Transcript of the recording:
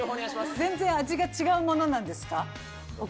全然味が違うものなんですか？